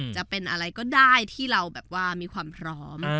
จะเป็นอะไรก็ได้ที่เราแบบว่ามีความพร้อม